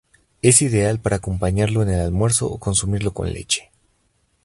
Es ideal para acompañarlo en el almuerzo o consumirlo con leche.